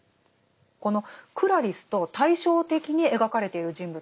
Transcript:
このクラリスと対照的に描かれている人物がいるんですね。